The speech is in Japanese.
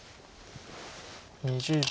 ２０秒。